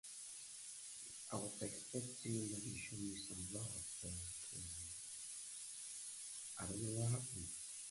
Jill Swinburne teaches English and wants to help save the planet.